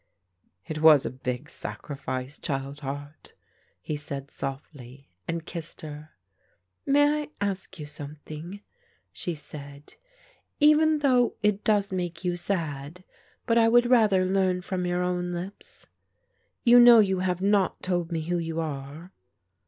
"It was a big sacrifice, child heart," he said softly, and kissed her. "May I ask you something," she said, "even though it does make you sad: but I would rather learn from your own lips? You know you have not told me who you are.